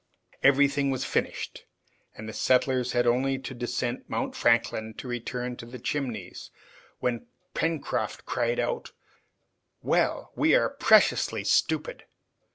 Everything was finished, and the settlers had only to descend Mount Franklin to return to the Chimneys, when Pencroft cried out, "Well! we are preciously stupid!"